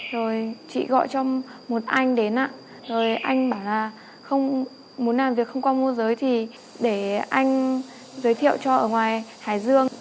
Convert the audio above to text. rồi chị gọi cho một anh đến ạ rồi anh bảo là không muốn làm việc không qua môi giới thì để anh giới thiệu cho ở ngoài hải dương